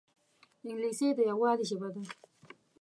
انګلیسي د یووالي ژبه ده